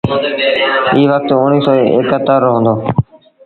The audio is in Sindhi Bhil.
ايٚ وکت اُڻيه سو ايڪ اَتر رو هُݩدو۔